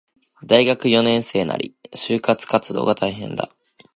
大学四年生なり、就職活動が大変だ